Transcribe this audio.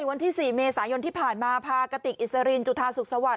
วันที่๔เมษายนที่ผ่านมาพากติกอิสรินจุธาสุขสวัสด